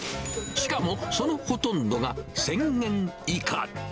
しかもそのほとんどが１０００円以下。